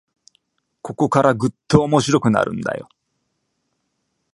ここからぐっと面白くなるんだよ